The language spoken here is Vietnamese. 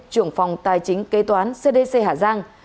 trưởng phòng tài chính kê toán cdc hà giang